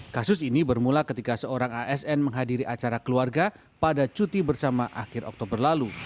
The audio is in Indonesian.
kasus ini bermula ketika seorang asn menghadiri acara keluarga pada cuti bersama akhir oktober lalu